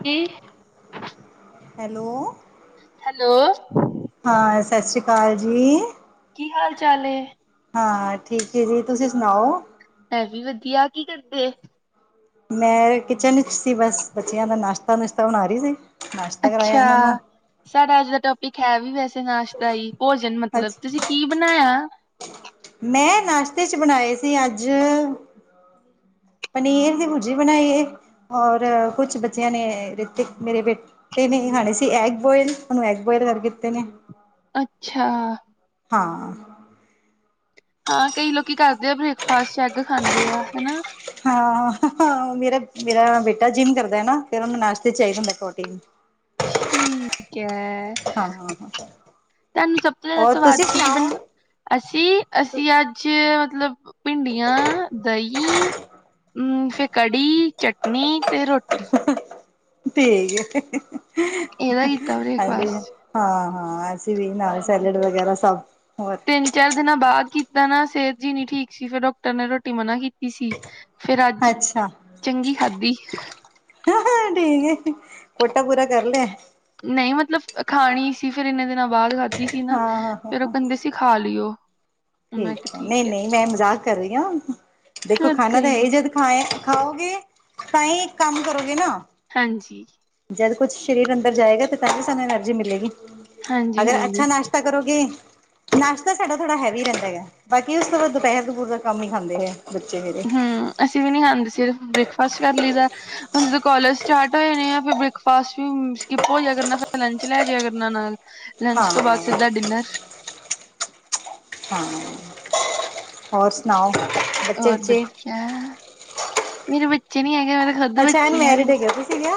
ਕੀ hello hello ਹਾਂ ਸਤਿ ਸ਼੍ਰੀ ਅਕਾਲ ਜੀ ਕੀ ਹਾਲ ਚਾਲ ਹਾਂ ਠੀਕ ਹੈ ਜੀ ਤੁਸੀਂ ਸੁਣਾਓ ਇਹ ਵੀ ਵਧੀਆ ਕੀ ਕਰਦੇ ਮੈਂ ਕਿਚਨ ਵਿੱਚ ਸੀ ਬਸ ਬੱਚਿਆਂ ਦਾ ਨਾਸ਼ਤਾ ਨੁਸ਼ਤਾ ਬਣਾ ਰਹੀ ਸੀ ਨਾਸ਼ਤਾ ਕਰਾਇਆ ਅੱਛਾ ਇਹਨਾਂ ਨੂੰ ਸਾਡਾ ਅੱਜ ਦਾ ਟੋਪਿਕ ਹੈ ਵੀ ਵੈਸੇ ਨਾਸ਼ਤਾ ਹੀ ਭੋਜਨ ਮਤਲਬ ਅੱਛ ਤੁਸੀਂ ਕੀ ਬਣਾਇਆ ਮੈਂ ਨਾਸ਼ਤੇ ਚ ਬਣਾਏ ਸੀ ਅੱਜ ਪਨੀਰ ਦੀ ਭੁਜੀ ਬਣਾਈਏ ਹੋਰ ਕੁਛ ਬੱਚਿਆਂ ਨੇ ਰਿਤਿਕ ਮੇਰੇ ਬੇਟੇ। ਤੇ ਨਹੀਂ ਖਾਣੇ ਸੀ ਐਗ ਬੋਇਲ ਉਹਨੂੰ ਐਗ ਬੋਇਲ ਕਰ ਕੇ ਦਿੱਤੇ ਨੇ। ਅੱਛਾ ਹਾਂ ਹਾਂ, ਕਈ ਲੋਕੀ ਕਰਦੇ ਆ ਬ੍ਰੇਕਫਾਸਟ ਚ ਐਗ ਖਾਂਦੇ ਆ ਹਨਾ। ਹਾਂ ਮੇਰਾ ਮੇਰਾ ਬੇਟਾ ਜਿੰਮ ਕਰਦਾ ਹੈ ਨਾ ਫਿਰ ਉਹਨੂੰ ਨਾਸ਼ਤੇ ਚਾਹੀਦਾ ਹੁੰਦਾ ਪ੍ਰੋਟੀਨ। ਠੀਕ ਹੈ। ਹਾਂ ਹਾਂ ਤੁਹਾਨੂੰ ਸਭ ਤੋਂ ਜ਼ਿਆਦਾ ਹੋਰ ਸਵਾਦ ਤੁਸੀਂ ਕੀ ਬ। ਸੁਣਾਓ ਅਸੀਂ ਅਸੀਂ ਅੱਜ ਮਤਲਬ। ਭਿੰਡੀਆਂ ਦਹੀਂ ਹਮ ਫਿਰ ਕੜੀ ਚਟਨੀ ਤੇ ਰੋਟੀ। ਠੀਕ ਆ ਇਹਦਾ ਕੀਤਾ ਹਾਂ ਜੀ। ਬ੍ਰੇਕਫਾਸਟ। ਹਾਂ ਹਾਂ ਅਸੀਂ ਵੀ ਨਾ ਸੈਲੇਡ ਵਗੈਰਾ ਸਭ ਹੋ। ਤਿੰਨ ਚਾਰ ਦਿਨਾਂ ਬਾਅਦ ਕੀਤਾ ਨਾ ਸਿਹਤ ਜਿਹੀ ਨੀ ਠੀਕ ਸੀ ਫਿਰ ਡਾਕਟਰ ਨੇ ਰੋਟੀ ਮਨਾ ਕੀਤੀ ਸੀ। ਫੇਰ ਅੱਜ ਚੰਗੀ ਖਾਧੀ। ਹ ਠੀਕ ਕੋਟਾ ਪੂਰਾ ਕਰ ਲਿਆ। ਨਹੀਂ ਮਤਲਬ ਖਾਣੀ ਸੀ ਫੇਰ ਇੰਨੇ ਦਿਨਾਂ ਬਾਅਦ ਖਾਧੀ ਸੀ ਨਾ ਹਾਂ ਹਾਂ ਹਾਂ ਫੇਰ ਉਹ ਹਾਂ ਕਹਿੰਦੇ ਸੀ ਖਾ ਲਈਉ। ਠੀਕ ਹੈ ਨਹੀਂ ਨਹੀਂ ਮੈਂ ਮਜ਼ਾਕ ਕਰ ਰਹੀ ਹਾਂ ਦੇਖੋ ਫਿਰ ਖਾਨਾ ਤਾਂ ਗਈ ਨੀ ਇਹ ਜਦ। ਖਾ ਖਾਓਗੇ ਤਾਂ ਹੀ ਇੱਕ ਕੰਮ ਕਰੋਗੇ ਨਾ। ਹਾਂਜੀ ਜਦ ਕੁਛ ਸਰੀਰ ਅੰਦਰ ਜਾਏਗਾ ਤੇ ਤਦ ਵੀ ਸਾਨੂੰ ਐਨਰਜੀ ਮਿਲੇਗੀ। ਹਾਂਜੀ ਅਗਰ ਹਾਂਜੀ ਅੱਛਾ ਨਾਸ਼ਤਾ ਕਰੋਗੇ। ਨਾਸ਼ਤਾ ਸਾਡਾ ਥੋੜਾ ਹੈਵੀ ਰਹਿੰਦਾ। ਹੈ ਬਾਕੀ ਉਸ ਤੋਂ ਬਾਅਦ ਦੁਪਹਿਰ ਦੁਪਹਿਰ ਦਾ ਕਮ ਹੀ ਖਾਂਦੇ ਹੈ ਬੱਚੇ ਮੇਰੇ। ਹਮ ਅਸੀਂ ਵੀ ਨਹੀਂ ਖਾਂਦੇ ਸਿਰਫ ਬ੍ਰੇਕਫਾਸਟ ਕਰ ਲਈਦਾ। ਹੁਣ ਜਦੋਂ ਕੋਲਜ ਸਟਾਰਟ ਹੋ ਜਾਨੇ ਆ ਫਿਰ ਬ੍ਰੇਕਫਾਸਟ ਵੀ ਸਕਿੱਪ ਹੋ ਜਾਇਆ ਕਰਨਾ ਫਿਰ ਲੰਚ ਲੈ ਜਾਇਆ ਕਰਨਾ ਨਾਲ। ਲੰਚ ਹਾਂ ਤੋਂ ਬਾਅਦ ਸਿੱਧਾ ਡਿਨਰ। ਹਾਂ ਹੋਰ ਸੁਣਾਓ ਬੱਚੇ ਔਰ ਬੁੱਚੇ? ਵਧੀਆ। ਮੇਰੇ ਬੱਚੇ। ਬੱਚੇ ਨਹੀਂ ਹੈਗੇ ਮ ਅੱਛਾ ਐਨ ਮੈਰਿਡ ਹੈਗਾ ਤੁ ਸੀਗਾ।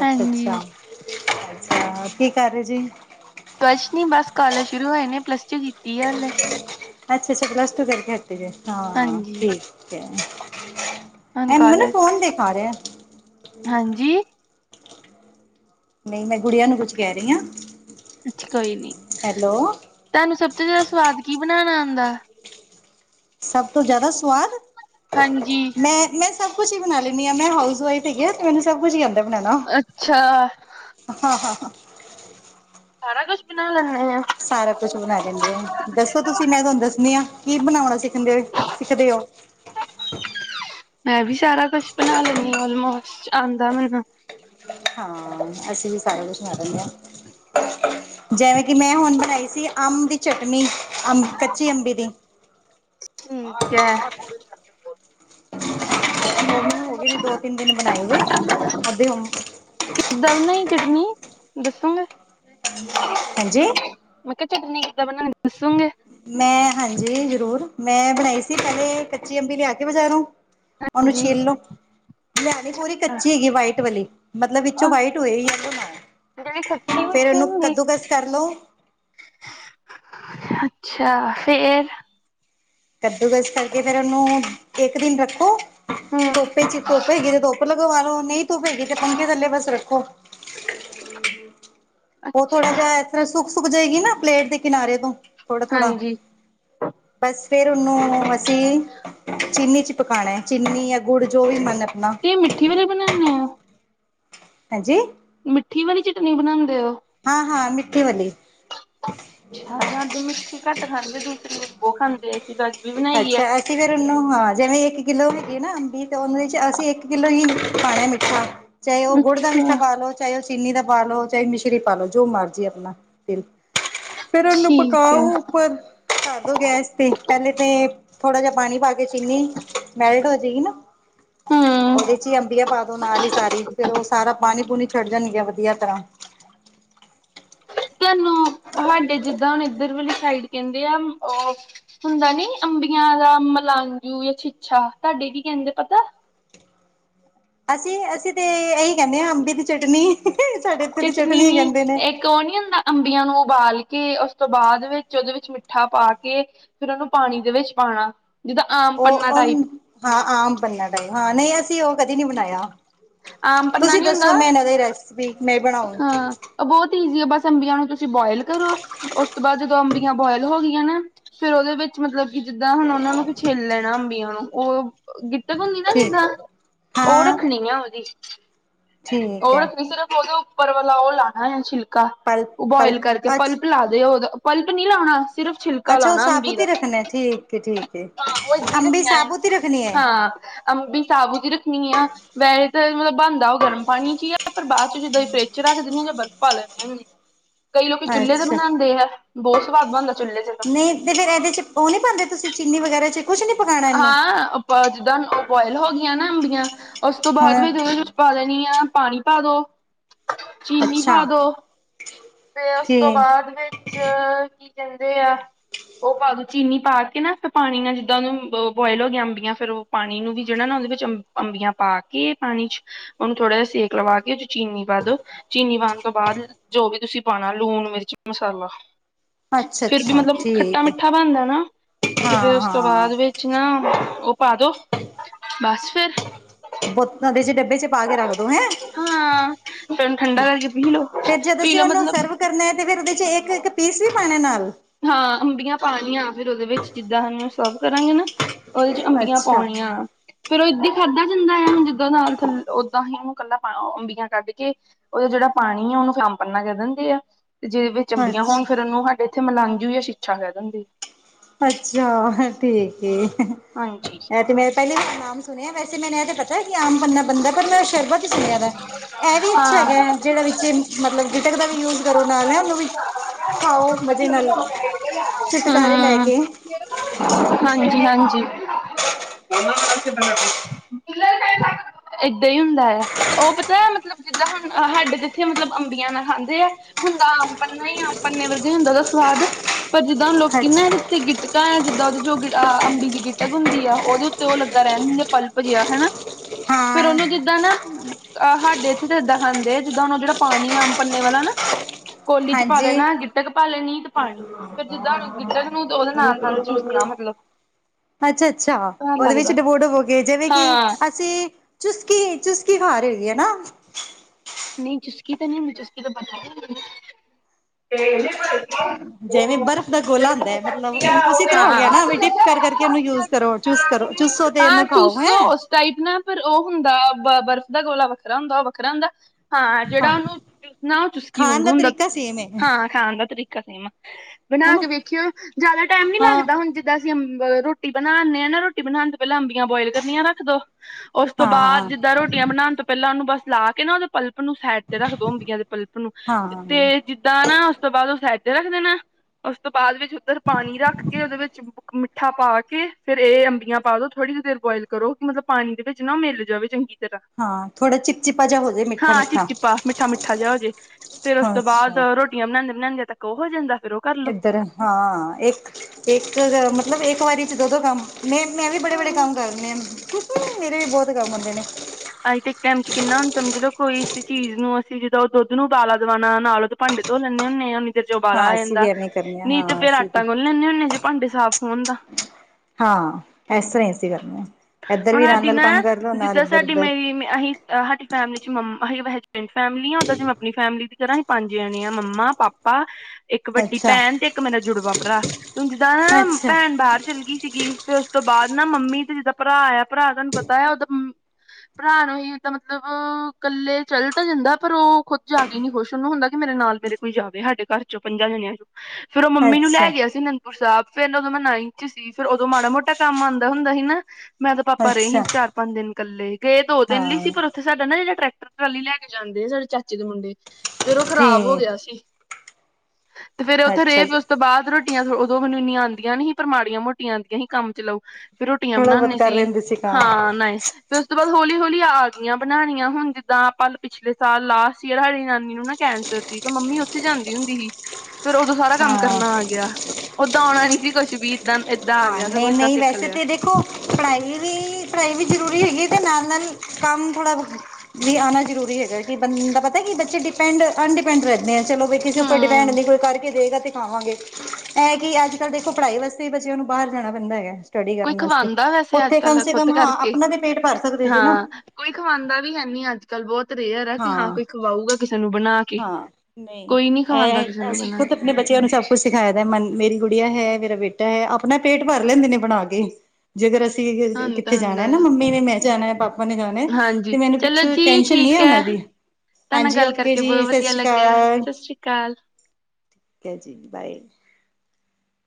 ਅੱਛਾ ਹਾਂਜੀ। ਅੱਛਾ ਅੱਛਾ ਕੀ ਕਰ ਰਹੇ ਜੀ? ਕੁਝ ਨੀ ਬਸ ਕਾਲਜ ਸ਼ੁਰੂ ਹੋਏ ਨੇ ਪਲੱਸ ਟੂ ਕੀਤੀ ਆ ਹਾਲੇ। ਅੱਛਾ ਅੱਛਾ ਪਲਸੂ ਕਰਕੇ ਹਟੀ ਜੇ ਹਾਂ ਹਾਂਜੀ ਠੀਕ ਹੁਣ ਹੈ। ਮੈਨੂੰ ਕਾਲਜ ਫੋਨ ਦਿਖਾ ਰਿਹਾ। ਹਾਂਜੀ ਨਈ ਮੈਂ ਗੁੜੀਆਂ ਨੂੰ ਕੁੱਛ ਕਹਿ ਰੀ ਆਂ। ਅੱਛਾ ਕੋਈ ਨੀ ਤੁਹਾਨੂੰ ਸਭ ਤੋਂ ਜਿਆਦਾ ਸਵਾਦ ਕੀ ਬਣਾਉਣਾ ਆਂਦਾ। ਸਭ ਤੋਂ ਜਿਆਦਾ ਸਵਾਦ? ਹਾਂਜੀ। ਮੈਂ ਮੈਂ ਸਭ ਕੁੱਛ ਈ ਬਣਾ ਲੈਂਨੀ ਆਂ ਮੈਂ ਹਾਊਸ ਵਾਈਫ ਹੈਗੀ ਆ ਤੇ ਮੈਨੂੰ ਸਭ ਕੁੱਛ ਈ ਆਂਦਾ ਬਣਾਣਾ। ਅੱਛਾ ਹਾਂ-ਹਾਂ-ਹਾਂ ਸਾਰਾ ਕੁੱਛ ਬਣਾ ਲੈਂਨੇ ਆਂ? ਸਾਰਾ ਕੁੱਛ ਬਣਾ ਦਿੰਦੇ ਓ। ਦੱਸੋ ਤੁਸੀਂ ਮੈਂ ਤੁਹਾਨੂੰ ਦੱਸਦੀ ਆ ਕੀ ਬਣਾਵਾ ਸਿੱਖਣ ਦੇ? ਸਿੱਖਦੇ ਓ? ਮੈਂ ਵੀ ਸਾਰਾ ਕੁੱਛ ਬਣਾ ਲੈਨੀ ਓਲਮੋਸਟ ਆਂਦਾ ਮੈਨੂੰ। ਹਾਂ ਅਸੀਂ ਵੀ। ਸਾਰਾ ਕੁੱਛ ਬਣਾ ਦਨੇ ਆਂ ਜੈਵੇਂ ਕੀ ਮੈਂ ਹੁਣ ਬਣਾਈ ਸੀ ਅੰਬ ਦੀ ਚਟਣੀ। ਅੰਬ ਕੱਚੀ ਅੰਬੀ ਦੀ। ਕਿਆ ਹੈ। ਮੰਮੀ ਨੂੰ ਹੋ ਗਏ ਦੋ ਦਿਨ ਹੋਗੇ ਨੇ ਦੋ ਤਿੰਨ ਦਿਨ ਬਣਾਏ ਹੋਏ ਅੱਧੇ। ਕਿੱਦਾਂ ਬਨਾਈ ਚਟਨੀ ਦੱਸੋਗੇ? ਹੇਨ ਜੀ। ਮੈਂ ਕਿਹਾ ਚਟਨੀ ਕਿੱਦਾਂ ਬਣਾਨੀ ਦੱਸੋਗੇ? ਮੈਂ ਹਾਂਜੀ ਜ਼ਰੂਰ, ਮੈਂ ਬਣਾਈ ਸੀ ਪਹਿਲੇ ਕੱਚੀ ਅੰਬੀ ਲਿਆ ਕੇ। ਬਜ਼ਾਰੋਂ ਓਨੂੰ ਜੀ ਛਿੱਲ ਲੋ। ਲੈਣੀ ਪੂਰੀ ਕੱਚੀ ਹੈਗੀ। ਵਾਈਟ ਵਾਲੀ ਮਤਲਬ ਵਿੱਚੋਂ ਵਾਈਟ ਹੋਏ, ਯੇਲੋ ਨਾ ਹੋਏ। ਜਿਹੜੀ ਖੱਟੀ ਫੇਰ ਮਿੱਠੀ ਓਨੂੰ ਹੁੰਦੀ ਕੱਦੂਕਸ ਕਰਲੋ। ਅੱਛਾ, ਫੇਰ। ਕੱਦੂਕਸ ਕਰਕੇ ਫੇਰ, ਓਨੂੰ ਇੱਕ ਦਿਨ ਰੱਖੋ ਹਮ ਧੁੱਪੇ ਚ ਧੁੱਪ ਹੈਗੀ। ਧੁ ਧੁੱਪ ਲਗਵਾ ਲੋ ਨਈ ਧੁੱਪ ਹੈਗੀ ਤੇ, ਪੰਖੇ ਥੱਲੇ ਬਸ ਰੱਖੋ। ਓ ਥੋੜਾ ਅੱਛਾ ਜਾ ਐਸ ਤਰਾਂ, ਸੁੱਕ- ਸੁੱਕ ਜਾਏਗੀ ਨਾ। ਪਲੇਟ ਦੀ ਕਿਨਾਰੇ ਤੋਂ ਥੋੜਾ-ਥੋੜਾ। ਹਾਂਜੀ ਬਸ ਫੇਰ ਓਨੂੰ, ਅਸੀਂ ਚੀਨੀ ਚ ਪਕਾਣਾ ਹੈ। ਚੀਨੀ ਯਾਂ ਗੁੜ ਜੋ ਵੀ ਮਨ ਆਪਣਾ। ਤੇ ਮਿੱਠੀ ਵਾਲੇ ਬਨਾਣੇ ਓ? ਹੈਨ ਜੀ। ਮਿੱਠੀ ਵਾਲੀ ਚਟਨੀ ਬਣਾਂਦੇ ਓ? ਹਾਂ-ਹਾਂ ਮਿੱਠੇ ਵਾਲੀ। ਹਾਂ ਸਾਡੇ ਮਿੱਠੀ ਘੱਟ ਖਾਂਦੇ, ਦੂਸਰੀ ਬੋ ਖਾਂਦੇ ਐ। ਅੱਛਾ ਅੱ ਤੇ ਫੇਰ ਓਨੂੰ ਹਾਂ। ਜੈਵੇਂ ਇੱਕ ਕਿੱਲੋ ਹੈਗੀ ਨਾ ਅੰਬੀ। ਤੇ ਓਦੇ ਵਿਚ ਅਸੀਂ, ਇੱਕ ਕਿੱਲੋ ਹੀ ਪਾਣਾ ਮਿੱਠਾ। ਚਾਏ ਓ ਗੁੜ ਦਾ ਮਿੱਠਾ ਅੱਛਾ ਪਾ ਲੋ, ਚਾਏ ਓ ਚੀਨੀ ਦਾ ਪਾ ਲੋ, ਚਾਏ ਮਿਸ਼ਰੀ ਪਾ ਲੋ ਜੋ ਮਰਜ਼ੀ ਆਪਣਾ ਫੇਰ ਫੇਰ ਓਨੂੰ ਠੀਕ ਪਕਾਓ ਹੈ ਉੱਪਰ, ਰਖ ਦੋ ਗੈਸ ਤੇ ਪੈਲੇ ਤੇ ਥੋੜਾ ਜਿਹਾ ਪਾਣੀ ਪਾ ਕੇ, ਚੀਨੀ ਮੈਲਟ ਹੋਜੇਗੀ ਨਾ। ਹੂੰ ਓਦੇ ਚ ਈ ਅੰਬੀਆਂ ਪਾ ਦੋ ਨਾਲ ਈ ਸਾਰੀ। ਫੇਰ ਓ ਸਾਰਾ ਪਾਣੀ- ਪੂਣੀ ਛੱਡ ਜਾਣਗੀਆਂ ਵਧੀਆ ਤਰਾਂ। ਤੁਹਾਨੂੰ ਹਾਡੇ ਜਿੱਦਾਂ, ਹੁਣ ਏਧਰ ਵਾਲੀ ਸਾਈਡ ਕੈਂਦੇ ਆ। ਓ ਹੁੰਦਾ ਨੀ ਅੰਬੀਆਂ ਦਾ ਮਲਾਂਜੂ ਜਾਂ ਛਿੱਛਾ। ਤੁਹਾਡੇ ਕੀ ਕੈਂਦੇ ਪਤਾ? ਅਸੀਂ, ਅਸੀਂ ਤੇ ਏਈ ਕੈਂਨੇ ਆਂ ਅੰਬੇ ਦੀ ਚਟਨੀ। ਸਾਡੇ ਏਥੇ ਤੇ ਚਟਨੀ ਈ ਕੈਂਦੇ ਨੇ। ਕੋਨੀਅਨ ਦਾ ਅੰਬੀਆਂ ਨੂੰ ਉਬਾਲ ਕੇ, ਉਸ ਤੋਂ ਬਾਦ ਵਿੱਚ। ਓਦੇ ਵਿੱਚ ਮਿੱਠਾ ਪਾ ਕੇ ਫੇਰ ਓਨੂੰ ਪਾਣੀ ਦੇ ਵਿੱਚ ਪਾਣਾ। ਓ ਔਨ ਹਾਂ, ਆਮ ਪੰਨਾ ਕਹੀਦਾ ਹਾਂ ਨਈ, ਅਸੀਂ ਓ ਕਦੀ ਨੀ ਬਣਾਇਆ। ਆਮ ਪੰਨਾ ਤੁਸੀਂ ਨੀ ਦੱਸੋ ਹੁੰਦਾ ਮੈਂ, ਐਨਾਂ ਦੀ ਰੈਸਿਪੀ ਮੈਂ ਬਣਾਉ। ਓ ਬੋਤ ਈਜ਼ੀ ਆ। ਬਸ ਅੰਬੀਆਂ ਨੂੰ ਤੁਸੀਂ ਬੋਇਲ ਕਰੋ ਓਸ ਤੋਂ ਬਾਦ ਜਦੋਂ, ਅੰਬੀਆਂ ਬੋਇਲ ਹੋਗੀਆਂ ਨਾ ਫੇਰ ਓਦੇ ਵਿੱ ਚ ਮਤਲਬ ਕੀ ਜਿੱਦਾਂ, ਹੁਣ ਓਨਾਂ ਨੂੰ ਵੀ ਛਿੱਲ ਲੈਣਾ ਅੰਬੀਆਂ ਨੂੰ। ਓ ਗਿੱਟਕ ਹੁੰਦੀ ਨਾ ਠੀਕ ਜਿਦਾਂ, ਓ ਹਾਂ ਰੱਖਣੀ ਆ ਓਹਦੀ। ਠੀਕ ਉਹ ਹੈ ਰੱਖਣੀ ਸਿਰਫ ਉਹਦੇ ਉੱਪਰ ਵਾਲਾ ਉਹ ਲਾਉਣਾ ਹੈ। ਛਿਲਕ ਹਾਂ, ਪਲ ਉਹ ਪਲ ਬੋਆਇਲ ਕਰਕੇ ਅੱਛ ਪਲਪ ਲਾ ਦਿਓਦਾ। ਪਲਪ ਨੀ ਲਾਉਣਾ। ਸਿਰਫ ਛਿਲਕਾ ਅੱਛਾ ਉਹ ਲਾਣਾ ਅੰਬੀ ਸਾਬੂਤ ਹੀ ਦਾ। ਰੱਖਣਾ ਠੀਕ ਹੈ ਠੀਕ ਹੈ ਉਹ ਏਦਾਂ ਅੰਬੀ ਰੱਖਿਆ ਸਾਬੂਤ ਹੀ ਰੱਖਣੀ ਹੈ ਹਾਂ ਅੰਬੀ ਸਾਬੂਦ ਹੀ ਰੱਖਣੀ ਆ। ਵੈਸੇ ਤਾਂ ਮਤਲਬ ਬਣਦਾ ਉਹ ਗਰਮ ਪਾਣੀ ਚ ਹੀ ਆ। ਪਰ ਬਾਅਦ ਚ ਜਿੱਦਾਂ ਫਰਿਜ ਰੱਖ ਦਿੰਦੇ ਹਾਂ ਜਾਂ, ਬਰਫ਼ ਪਾ ਲੈਂਦੇ ਹੁੰਦੇ ਹ। ਕਈ ਲੋਕ ਚੁੱਲੇ ਤੇ ਅੱਛਾ ਬਣਾਉਂਦੇ ਹੈ। ਬਹੁਤ ਸਵਾਦ ਬਣ--ਦਾ ਚੁੱਲ੍ਹੇ ਚ ਨਹੀਂ ਜ ਫੇਰ ਇਹਦੇ ਚ ਉਹ ਨਹੀਂ ਪਾਉਂਦੇ। ਤੁਸੀਂ ਚੀਨੀ ਵਗੈਰਾ ਚ ਕੁਛ ਨੀ ਪਕਾਉਣਾ ਇਹਨੂੰ ਹਾਂ ਜਿੱਦਾਂ ਉਹ, ਬੋਇਲ ਹੋ ਗਈਆਂ ਨਾ ਅੰਬੀਆਂ। ਉਸ ਤੋਂ ਬਾਅਦ ਹਾਂ ਵੀ, ਜੋਂ ਪਾ ਦੇਣੀ ਆ। ਪਾਣੀ ਪਾ ਦੋ, ਚੀਨੀ ਅੱਛਾ ਪਾ ਦੋ ਤੇ ਉਸ ਤੋਂ ਠੀਕ ਬਾਅਦ, ਵਿੱਚ ਕੀ ਕਹਿੰਦੇ ਆ। ਉਹ ਪਾ ਦੋ। ਚੀਨੀ ਪਾ ਕੇ ਨਾ ਫੇਰ ਪਾਣੀਆਂ ਜਿਦਾਂ ਉਹਨੂੰ, ਬੋਆਇਲ ਹੋ ਗਿਆ ਅੰਬੀਆਂ। ਫੇਰ ਉਹ ਪਾਣੀ ਨੂੰ ਵੀ ਜਿਹੜਾ ਨਾ। ਉਹਦੇ ਵਿੱਚ ਅੰ ਅੰਬੀਆਂ ਪਾ ਕੇ ਪਾਣੀ ਚ ਉਹਨੂੰ ਥੋੜਾ ਜਿਹਾ ਸੇਕ ਲਵਾ ਕੇ, ਚੀਨੀ ਪਾ ਦੋ ਚੀਨੀ ਪਾਉਣ ਤੋਂ ਬਾਅਦ। ਜੋ ਵੀ ਤੁਸੀਂ ਪਾਣਾ ਲੂਣ, ਮਿਰਚ, ਮਸਾਲਾ। ਅੱਛਾ ਫੇਰ ਵੀ ਅੱਛਾ ਮਤਲਬ, ਖੱਟਾ- ਠੀਕ ਹੈ ਮਿੱਠਾ ਬਣਦਾ ਨਾ। ਤੇ ਫੇਰ ਹਾਂ ਉਸ ਤੋਂ ਹਾਂ ਬਾਅਦ ਵਿੱਚ ਨਾ ਉਹ ਪਾ ਦੋ। ਬਸ ਫੇਰ ਬੋਤਲ ਦੇ ਡੱਬੇ ਚ ਪਾ ਕੇ ਰੱਖ ਦੋ। ਹੈਂ ਹਾਂ, ਤੇ ਹੁਨ ਠੰਡਾ ਕਰਕੇ ਪੀ ਲੋ। ਫੇਰ ਜਦ ਪੀ ਅਸੀਂ ਲੋ ਉਹਨੂੰ ਮਤਲਬ ਸਰਵ ਕਰਨਾ ਤੇ ਫਿਰ ਉਹਦੇ ਚ ਇੱਕ ਇੱਕ ਪੀਸ ਵੀ ਪਾਣਾ ਨਾਲ ਹਾਂ, ਅੰਬੀਆਂ ਪਾਣੀਆਂ ਫਿਰ ਉਹਦੇ ਵਿੱਚ ਜਿੱਦਾਂ ਸ ਸਰਵ ਕਰਾਂਗੇ ਨਾ ਉਹਦੇ ਚ ਅੰਬੀਆਂ ਅੱਛਾ ਪਾਉਣੀਆਂ ਫੇਰ ਉਹ ਏਦਾਂ ਖਾਦਾ ਜਾਂਦਾ ਆ ਹੁਣ ਜਿੱਦਾਂ ਦਾਲ ਥੱਲ ਓਦਾਂ ਹੀ ਉਹਨੂੰ ਇਕੱਲਾ ਪਾ ਅੰਬੀਆਂ ਕੱਢ ਕੇ ਉਹਦਾ ਜਿਹੜਾ ਪਾਣੀ ਆ ਉਹਨੂੰ ਆਮਪਨਾ ਕਹਿ ਦਿੰਦੇ ਆ ਤੇ ਜਿਹਦੇ ਵਿੱਚ ਚੰਬੀਆਂ ਹੋਣ ਅੱਛਾ ਫਿਰ ਉਹਨੂੰ ਸਾਡੇ ਇੱਥੇ ਮਲਾਂਝੂ ਆ ਸ਼ਿਕਸ਼ਾ ਕਹਿ ਦਿੰਦੇ ਅੱਛਾ ਠੀਕ ਏ ਆ ਹਾਂਜੀ ਇਹ ਤੇ ਮੈਂ ਪਹਿਲੇ ਨਾਮ ਸੁਣਿਆ ਵੈਸੇ ਮੈਂ ਇਹ ਤਾ ਪਤਾ ਕਿ ਆਮ ਬੰਨਾ ਬੰਦਾ ਪਰ ਮੈਂ ਸ਼ਰਬਤ ਇਹ ਵੀ ਅੱਛਾ ਹਾਂ ਹੈਗਾ ਜਿਹੜਾ ਵਿੱਚ ਮਤਲਬ ਗਿਟਕ ਦਾ ਵੀ ਯੂਜ ਕਰੋ ਨਾਲ ਹੈ ਉਹਨੂੰ ਵੀ ਖਾਓ ਮਜ਼ੇ ਨਾਲ ਛੁਟਕਾਰੇ ਲੈ ਕੇ ਹੂੰ ਹਾਂਜੀ ਹਾਂਜੀ ਏਦਾਂ ਹੀ ਹੁੰਦਾ ਆ ਓ ਪਤਾ ਮਤਲਬ ਜਿੱਦਾਂ ਹੁਣ ਸਾਡੇ ਜਿੱਥੇ ਮਤਲਬ ਅੰਬੀਆਂ ਨਾਲ ਖਾਂਦੇ ਆ ਹੁੰਦਾ ਆਮ ਪੰਨਾ ਈ ਆਮ ਪੰਨੇ ਵਰਗੇ ਹੁੰਦਾ ਉਹਦਾ ਸਵਾਦ ਪਰ ਜਿੱਦਾਂ ਹੁਣ ਲੋਕ ਕਿਹਨਾ ਅੱਛਾ ਜਿੱਥੇ ਗਿੱਟਕਾਂ ਐ ਜਿੱਦਾਂ ਉਹਦੇ ਜੋ ਗ ਅੰਬੀ ਦੀ ਗਿੱਟਕ ਹੁੰਦੀ ਆ ਉਹਦੇ ਤੇ ਉਹ ਲੱਗਾ ਰਹਿੰਦੇ ਨੇ ਪਲ ਪਾ ਜਿਹਾ ਹਨਾ ਫੇਰ ਹਾਂ ਉਹਨੂੰ ਜਿੱਦਾਂ ਨਾ ਸਾਡੇ ਇੱਥੇ ਤਾਂ ਏਦਾਂ ਖਾਂਦੇ ਜਿੱਦਾਂ ਹੁਣ ਜਿਹੜਾ ਪਾਣੀ ਆਮ ਪੰਨੇ ਵਾਲਾ ਨਾ ਕੋਲੀ ਚ ਪਾ ਹਾਂਜੀ, ਲੈਣਾ ਗਿੱਟਕ ਪਾ ਲੈਣੀ ਤੇ ਪਾਣੀ ਫਿਰ ਜਿੱਦਾਂ ਨੂੰ ਉਹਦੇ ਨਾਲ ਨਾਲ ਚੂਸਣਾ ਮਤਲਬ ਅੱਛਾ ਅੱਛਾ, ਸਵਾਦ ਉਹਦੇ ਵਿੱਚ ਲੱਗਦਾ ਡਬੋ ਡਬੋ ਕੇ ਜਿਵੇਂ ਕਿ ਹਾਂ ਅਸੀਂ ਚੁਸਕੀ ਚੁਸਕੀ ਖਾ ਰਹੇਗੀ ਹਨਾ ਨਹੀਂ ਚੁਸਕੀ ਤਾਂ ਨੀ ਚੁਸਕੀ ਦਾ ਜਿਵੇਂ ਬਰਫ਼ ਦਾ ਗੋਲਾ ਹੁੰਦਾ ਹ ਮਤਲਬ ਉਸਸੀ ਤਰ੍ਹਾਂ ਹੋ ਗਿਆ ਨਾ ਡਿਪ ਕਰਕੇ ਉਹਨੂੰ ਯੂਜ ਕਰੋ ਚੂਸ ਕਰੋ ਚੂਸੋ ਤੇ ਹਾਂ ਇਹਨੂੰ ਖਾਓ ਚੂਸੋ ਹੈ, ਉਸ ਟਾਈਪ ਨਾ ਪਰ ਉਹ ਹੁੰਦਾ ਬਰਫ਼ ਦਾ ਗੋਲਾ ਵੱਖਰਾ ਹੁੰਦਾ ਉਹ ਵੱਖਰਾ ਹੁੰਦਾ ਹਾਂ, ਜਿਹੜਾ ਉਹਨੂੰ ਨਾ ਉਹ ਚੁਸਕੀ ਖਾਣ ਵਾਂਗੂ ਦਾ ਹੁੰਦਾ ਤਰੀਕਾ ਸੇਮ ਹੈ ਹਾਂ ਖਾਣ ਦਾ ਤਰੀਕਾ ਸੀਮਾਂ ਬਣਾ ਹਨਾ ਕੇ ਵੇਖਿਓ ਜਿਆਦਾ ਟਾਈਮ ਨੀ ਹਾਂ, ਲੱਗਦਾ ਹੁਣ ਜਿੱਦਾਂ ਅਸੀਂ ਰੋਟੀ ਬਣਾਂਣੇ ਆ ਨਾ ਰੋਟੀ ਰੋਟੀ ਬਣਾਣ ਤੋਂ ਪਹਿਲਾਂ ਅੰਬੀਆਂ ਬੋਇਲ ਕਰਨੀਆਂ ਰੱਖ ਦੋ ਉਸ ਤੋਂ ਬਾਅਦ ਹਾਂ, ਜਿੱਦਾਂ ਰੋਟੀਆਂ ਬਣਾਣ ਤੋਂ ਪਹਿਲਾਂ ਉਹਨੂੰ ਬਸ ਲਾ ਕੇ ਨਾ ਉਹਦੇ ਪਲਪ ਨੂੰ ਸੈਡ ਤੇ ਰੱਖ ਦੋ ਅੰਬੀਆਂ ਦੇ ਪਲਪ ਨੂੰ ਹਾਂ, ਤੇ ਜਿੱਦਾਂ ਨਾ ਉਸ ਤੋਂ ਬਾਅਦ ਉਹ ਸਾਈਡ ਤੇ ਰੱਖ ਦੇਣਾ ਉਸ ਤੋਂ ਬਾਅਦ ਵਿੱਚ ਉੱਧਰ ਪਾਣੀ ਰੱਖ ਕੇ ਉਹਦੇ ਵਿੱਚ ਮਿੱਠਾ ਪਾ ਕੇ ਫੇਰ ਇਹ ਅੰਬੀਆਂ ਪਾ ਦੋ ਥੋੜ੍ਹੀ ਜਿਹੀ ਦੇਰ ਬੋਇਲ ਕਰੋ ਕਿ ਮਤਲਬ ਪਾਣੀ ਦੇ ਵਿੱਚ ਨਾ ਮਿਲ ਜਾਵੇ ਚੰਗੀ ਤਰ੍ਹਾਂ ਹਾਂ ਥੋੜਾ ਚਿਪਚਿਪ ਜਾ ਹੋ ਜਾਏ ਹਾਂ ਚਿਪ ਮਿੱਠਾ-ਮਿੱਠਾ ਚਿੱਪਾ ਮਿੱਠਾ-ਮਿੱਠਾ ਜਿਹਾ ਜੇ ਫੇਰ ਉਸ ਤੋਂ ਬਾਅਦ ਅੱਛਾ ਰੋਟੀ ਬਣਾਦੇ ਬਣਾਦੇ [unintelligible] ਤੱਕ ਉਹ ਹੋ ਜਾਂਦਾ ਫਿਰ ਉਹ, ਕਰ ਲੋ ਇਧਰ ਹਾਂ ਇਕ-ਇਕ ਮਤਲਬ ਇਕ ਵਾਰੀ 'ਚ ਦੋ ਕੰਮ ਮ ਮੈ ਵੀ ਬੜੇ-ਬੜੇ ਹਮ ਕੰਮ ਕਰੇ ਆ ਕਿਉਂਕਿ ਮੇਰੇ ਵੀ ਬਹੁਤ ਕੰਮ ਹੁੰਦੇ ਨੇ ਅਸੀਂ ਤੇ ਇਕ ਟਾਈਮ 'ਚ ਕਿਨਾ ਹੁਣ ਸਮਝ ਲੋ ਕੋਈ ਇਸ ਚੀਜ਼ ਨੂੰ ਅਸੀਂ ਜਿੱਦਾਂ ਉਹ ਦੁੱਧ ਨੂੰ ਉਬਾਲਾ ਦਵਾਣਾ ਨਾਲ ਉਹ ਭਾਂਡੇ ਧੋ ਲੈਦੇ ਹੁੰਦੇ ਆ ਓਨੀ ਦੇਰ ਚ ਉਬਾਲਾ ਹਾਂ ਆ ਅਸੀਂ ਜਾਂਦਾ ਵੀ ਐਵੇਂ ਕਰਨੇ ਆ ਨਹੀ ਤੇ ਹਾਂ ਫੇਰ ਅਸੀਂ ਆਟਾ ਵੀ ਗੁੰਨ ਲੈਂਦੇ ਹੁੰਦੇ ਆ ਜੇ ਭਾਂਡੇ ਸਾਫ਼ ਹੋਣ ਦਾ ਹਾਂ, ਇਸ ਤਰ੍ਹਾਂ ਅਸੀਂ ਕਰਨੇ ਹਾ। ਹੁਣ ਸਾਡੀ ਨਾ ਜਿਦਾਂ ਸਾਡੀ ਉਧਰ ਮੇਰੀ ਅਸੀਂ, ਅ ਸਾਡੀ ਫੈਮਿਲੀ 'ਚ ਮੰਮੀ ਵੈਸੇ ਅਸੀਂ ਜੁਆਇੰਟ ਫੈਮਿਲੀ ਆ ਉਦਾ 'ਚ ਮ ਆਪਣੀ ਫੈਮਲੀ ਦੀ ਤਰ੍ਹਾਂ ਹੀ ਪੰਜ ਜਣੇ ਆ ਮੰਮਾ ਪਾਪਾ ਇਕ ਮੇਰੀ ਵੱਡੀ ਅੱਛਾ ਭੈਣ ਤੇ ਇਕ ਮੇਰਾ ਜੁੜਵਾ ਭਰਾ ਤੇ ਜਿੱਦਾਂ ਨਾ ਅੱਛਾ ਭੈਣ ਬਾਹਰ ਚੱਲ ਗਈ ਸੀਗੀ ਫੇਰ ਉਸ ਤੋਂ ਬਾਅਦ ਨਾ ਮੰਮੀ ਤੇ ਜਿੱਦਾਂ ਭਰਾ ਆਇਆ ਭਰਾ ਤੁਹਾਨੂੰ ਪਤਾ ਐ ਉਹਦਾ ਭਰਾ ਨੂੰ ਜਿੱਦਾਂ ਮਤਲਬ ਇਕਲੇ ਚੱਲ ਤਾਂ ਜਾਂਦਾ ਪਰ ਉਹ ਖੁੱਦ ਜਾ ਕੇ ਨੀ ਖੁਸ਼ ਉਹਨੂੰ ਹੁੰਦਾ ਕਿ ਮੇਰੇ ਨਾਲ ਮੇਰੇ ਕੋਈ ਜਾਵੇ ਸਾਡੇ ਘਰ ਚੋ ਪੰਜਾ ਜਣਿਆਂ 'ਚ ਫੇਰ ਉਹ ਮੰਮੀ ਨੂੰ ਲੈ ਅੱਛਾ ਗਿਆ ਸੀ ਨੰ ਸਾਹਿਬ ਫਿਰ ਉਦੋ ਮੈਂ ਨਾਈ 'ਚ ਸੀ ਫਿਰ ਉਦੋ ਮਾੜਾ ਮੋਟਾ ਕਮ ਆਉਦਾ ਹੁੰਦਾ ਸੀ ਨਾ ਮੈ ਤਾਂ ਪਾਪਾ ਰਹੇ ਸੀ ਅੱਛਾ ਚਾਰ ਪੰਜ ਦਿਨ ਇਕਲੇ ਗਏ ਦੋ ਦਿਨ ਲਈ ਹਾਂ ਸੀ ਪਰ ਉਥੇ ਸਾਡਾ ਨਾ ਜਿਹੜਾ ਟਰੈਕਟਰ ਟਰਾਲੀ ਲੈ ਕੇ ਜਾਦੇ ਆ, ਸਾਡੇ ਚਾਚੇ ਦੇ ਮੁੰਡੇ। ਫੇਰ ਉਹ ਖਰਾਬ ਹੋ ਠੀਕ ਗਿਆ ਸੀ। ਤੇ ਫ਼ੇਰ ਉਥੇ ਅੱਛਾ ਰਏ, ਫਿਰ ਉਸ ਤੋ ਬਾਅਦ ਰੋ ਰੋਟੀਆਂ ਉਦੋ ਇਨੀਆਂ ਆਂਦੀਆਂ ਨਹੀ ਈ ਪਰ ਮਾੜੀਆਂ ਮੋਟੀਆਂ ਆਉਦੀਆਂ ਹੀ, ਕਮ ਚਲਾਓ। ਫਿਰ ਰੋਟੀਆਂ ਥੋੜਾ ਬਨਾਣੇ ਬਹੁਤ ਸੀ ਕਰ ਸੀ, ਲੈਂਦੇ ਕੰਮ ਹਾਂ ਨਹੀ ਫਰ ਉਸ ਤੋਂ ਬਾਅਦ ਹੌਲੀ-ਹੌਲੀ ਆ ਗਈਆਂ ਬਣਾਉਣੀਆਂ, ਹੁਣ ਜਿਦਾ ਆਪਾ ਪਿਛਲੇ ਸਾਲ, ਲਾਸਟ ਈਅਰ ਹਰੀ ਨਾਨੀ ਨੂੰ ਨਾ ਕੈਂਸਰ ਸੀ, ਤੇ ਮੰਮੀ ਉਥੇ ਜਾਂਦੀ ਹੁੰਦੀ ਹੀ। ਫੇਰ ਉਦੋ ਸਾਰਾ ਕਮ ਹਾਂ ਕਰਨਾ ਆ ਗਿਆ। ਉਦਾਂ ਆਉਣਾ ਨੀ ਸੀ ਕੁਛ ਵੀ, ਏਦਾ ਹਾਂ, ਨਈ-ਨਈ ਵੈਸੇ ਤੇ ਦੇਖੋ ਪੜ੍ਹਾਈ ਵੀ, ਪੜ੍ਹਾਈ ਵੀ ਜਰੂਰੀ ਹੈਗੀ ਏ, ਤੇ ਨਾਲ-ਨਾਲ ਕਮ ਥੋੜਾ ਬ ਵੀ ਆਉਣਾ ਜਰੂਰੀ ਹੈਗਾ, ਕਿ ਬੰਦਾ ਪਤਾ ਕਿ ਬੱਚੇ ਡਿਪੈਂਡ, ਅਨਡੀਪੈਂਡ ਰਹਿਦੇ ਐ। ਚਲੋ ਬਈ ਕਿਸੇ ਉਪਰ ਡਿਪੈਂਡ ਹਮ ਨੀ, ਕੋਈ ਕਰਕੇ ਦੇਗਾ ਤੇ ਖਾਵਾਂਗੇ। ਏਹ ਹੈ ਕਿ ਅਜ ਕਲ ਦੇਖੋ ਪੜ੍ਹਾਈ ਵਾਸਤੇ ਈ ਬੱਚੇਆ ਨੂੰ ਬਾਹਰ ਜਾਣਾ ਪੈਦਾ ਹੈਗਾ। ਸਟੱਡੀ ਕੋਈ ਕਰਨ ਵਾਸਤੇ, ਖਵਾਉਂਦਾ ਵੈਸੇ ਅੱਜ ਉਥੇ ਕਮ ਕੱਲ ਸੇ ਖੁਦ ਕਮ ਹਾਂ ਕਰਕੇ ਆਪਣਾ ਤੇ ਪੇਟ ਭਰ ਸਕਦੇ ਜੇ ਨਾ? ਹਾਂ ਕੋਈ ਖਵਾਂਦਾ ਵੀ ਹੈ ਨੀ ਅਜ ਕਲ, ਬੌਤ ਰੇਅਰ ਐ ਕਿ ਹਾਂ ਕੋਈ ਖਵਾਊਗਾ ਕਿਸੇ ਨੂੰ ਬਣਾ ਕੇ ਹਾਂ, ਨਈ ਕੋਈ ਨੀ ਖਵਾਉਂਦਾ ਕਿਸੇ ਏਹ ਨੂੰ ਅਸੀ ਬਣਾ ਖੁੱਦ ਆਪਣੇ ਬੱਚਿਆਂ ਨੂੰ ਸਭ ਕੁਛ ਸਿਖਾਇਆ ਦਾ ਏ, ਮਨ ਮੇਰੀ ਗੁੜੀਆ ਹੈ, ਮੇਰਾ ਬੇਟਾ ਹੈ, ਆਪਣਾ ਪੇਟ ਭਰ ਲੈਂਦੇ ਨੇ ਬਣਾ ਕੇ। ਜੇਕਰ ਅਸੀ ਅ ਹੁੰਦਾ ਕਿਥੇ ਜਾਣਾ ਹੁੰਦਾ ਹੈ ਨਾ, ਮੰਮੀ ਨੇ, ਮੈ ਜਾਣਾ ਏ, ਪਾਪਾ ਨੇ ਜਾਣਾ ਏ ਹਾਂਜੀ ਤੇ ਮੈਨੂੰ ਪਿਛੋਂ ਟੈਸ਼ਨ ਨਈ ਏ ਉਹਨਾ ਦੀ। ਤਾਂ ਮੈਂ ਹਾਂਜੀ ਗੱਲ ਕਰ ਓਕੇ ਜੀ ਸਤਿ ਸ਼੍ਰੀ ਕਾਲ, ਠੀਕ ਹੈ ਜੀ, ਬਾਏ।